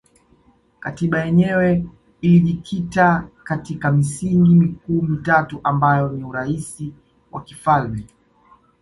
Katiba yenyewe ilijikita katika misingi mikuu mitatu ambayo ni Urais wa kifalme